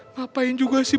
ngapain juga sih